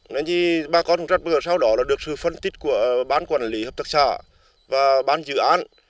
nên bà con cũng rất bỡ ngỡ sau đó được sự phân tích của ban quản lý hợp tác xã và ban dự án